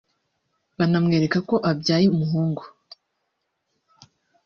banamwereka ko abyaye umuhungu